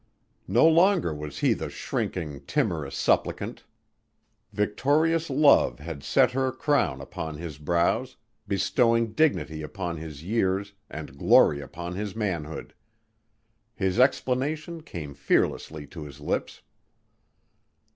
No longer was he the shrinking, timorous supplicant. Victorious love had set her crown upon his brows, bestowing dignity upon his years and glory upon his manhood. His explanation came fearlessly to his lips.